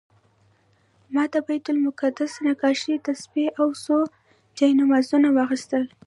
ما د بیت المقدس نقاشي، تسبیح او څو جانمازونه واخیستل.